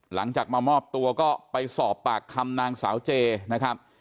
หลังจากมามอบตัวก็ไปสอบปากคำนางสาวเจนะครับ